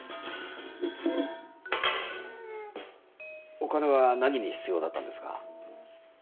お金は何に必要だったんですか？